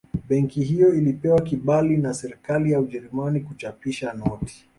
Benki hiyo ilipewa kibali na Serikali ya Ujerumani kuchapisha noti